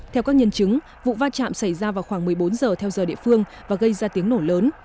theo các nhân chứng vụ va chạm xảy ra vào khoảng một mươi bốn giờ theo giờ địa phương và gây ra tiếng nổ lớn